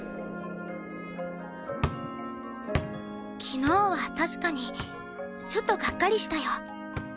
昨日は確かにちょっとがっかりしたよ。